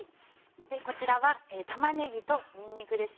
こちらは玉ねぎとにんにくです。